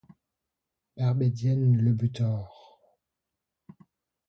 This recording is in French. Barbedienne le butor!